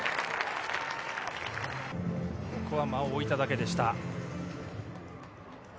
ここは間を置いただけでした。